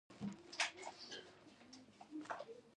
ډیسکټاپ د کمپيوټر یو ډول دی